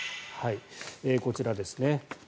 こちらですね。